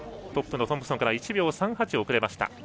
トップのトンプソンから１秒３８遅れました。